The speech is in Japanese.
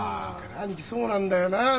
兄貴そうなんだよなあ。